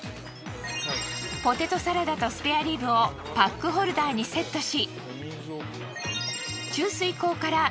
ポテトサラダとスペアリブをパックホルダーにセットし。